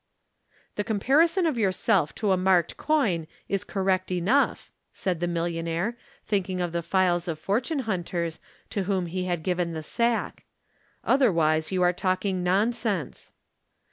"The comparison of yourself to a marked coin is correct enough," said the millionaire, thinking of the files of fortune hunters to whom he had given the sack. "Otherwise you are talking nonsense."